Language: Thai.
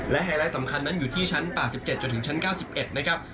และไฮไลท์สำคัญนั้นอยู่ที่ชั้น๘๗จนถึงชั้น๙๑นะครับ